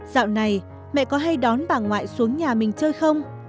dạo này mẹ có hay đón bà ngoại xuống nhà mình chơi không